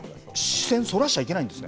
視線そらしちゃいけないんですか。